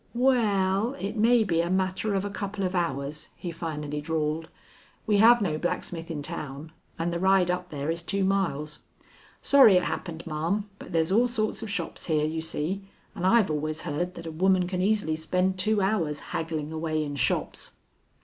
"Waal, it may be a matter of a couple of hours," he finally drawled. "We have no blacksmith in town, and the ride up there is two miles. Sorry it happened, ma'am, but there's all sorts of shops here, you see, and I've allers heard that a woman can easily spend two hours haggling away in shops."